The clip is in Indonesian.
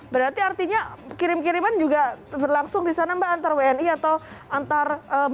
berarti artinya kiriman kiriman juga berlangsung disana mbak antar wni atau antar muslim